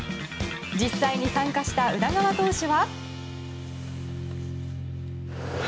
実際に参加した宇田川投手は。